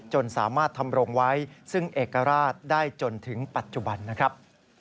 จนสามารถทำรงไว้ซึ่งเอกราชได้จนถึงปัจจุบันนะครับ